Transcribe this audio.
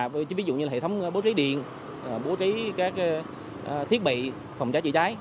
tôi ví dụ như hệ thống bố trí điện bố trí các thiết bị phòng cháy chữa cháy